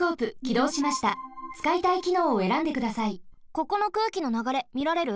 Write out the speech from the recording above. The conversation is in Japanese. ここの空気のながれみられる？